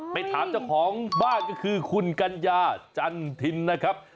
ไปถามเจ้าของบ้านก็คือคุณกัญญาจันทินนะครับ